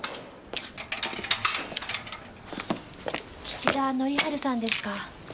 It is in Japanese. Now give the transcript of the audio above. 岸田紀治さんですか？